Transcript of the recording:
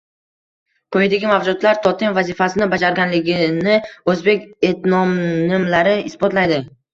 Quyidagi mavjudotlar totem vazifasini bajarganligini o‘zbek etnonimlari isbotlaydi.